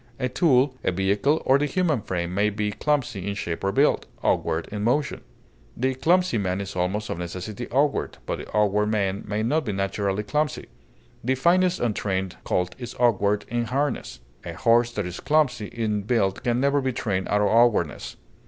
A tool, a vehicle, or the human frame may be clumsy in shape or build, awkward in motion. The clumsy man is almost of necessity awkward, but the awkward man may not be naturally clumsy. The finest untrained colt is awkward in harness; a horse that is clumsy in build can never be trained out of awkwardness.